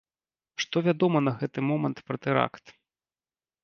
Што вядома на гэты момант пра тэракт?